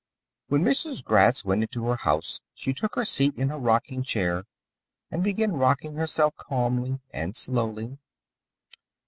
When Mrs. Gratz went into her house she took her seat in her rocking chair and began rocking herself calmly and slowly.